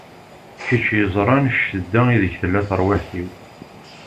Kečč iẓran ccedda ideg tella tarwiḥt-iw.